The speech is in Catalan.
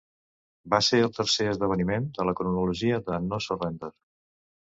Va ser el tercer esdeveniment de la cronologia de No Surrender.